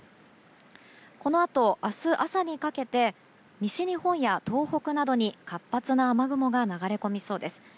このあと、明日朝にかけて西日本や東北などに活発な雨雲が流れ込みそうです。